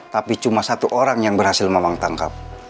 tapi cuma satu orang yang berhasil memang tangkap